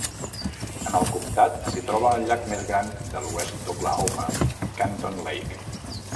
En el comptat s'hi troba el llac més gran de l'oest d'Oklahoma: Canton Lake.